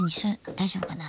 大丈夫かな。